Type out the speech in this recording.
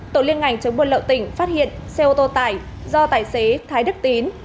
tổ liên ngành chống buôn lậu tỉnh phát hiện xe ô tô tải do tài xế thái đức tín